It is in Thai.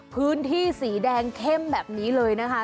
พื้นที่สีแดงเข้มแบบนี้เลยนะคะ